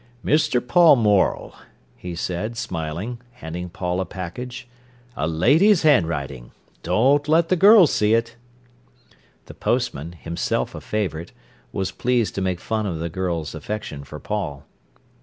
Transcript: "'Mr. Paul Morel,'" he said, smiling, handing Paul a package. "A lady's handwriting! Don't let the girls see it." The postman, himself a favourite, was pleased to make fun of the girls' affection for Paul.